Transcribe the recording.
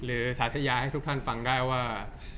หรืออธิบายหรือสัทยาให้ทุกท่านฟังได้ว่า